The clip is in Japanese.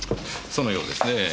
そのようですねぇ。